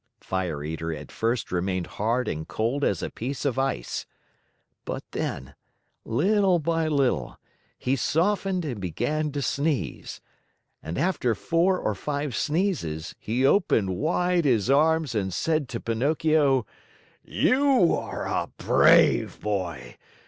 Fire Eater at first remained hard and cold as a piece of ice; but then, little by little, he softened and began to sneeze. And after four or five sneezes, he opened wide his arms and said to Pinocchio: "You are a brave boy!